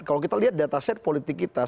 kalau kita lihat data set politik kita